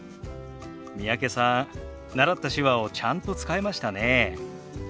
三宅さん習った手話をちゃんと使えましたね。